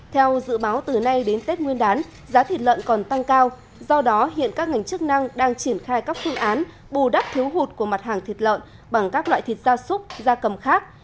theo dự báo từ nay đến tết nguyên đán giá thịt lợn còn tăng cao do đó hiện các ngành chức năng đang triển khai các phương án bù đắp thiếu hụt của mặt hàng thịt lợn bằng các loại thịt gia súc gia cầm khác